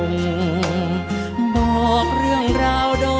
จะใช้หรือไม่ใช้ครับ